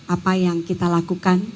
apa yang kita lakukan